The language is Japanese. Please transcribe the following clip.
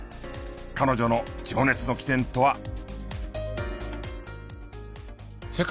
彼女の情熱の起点とは？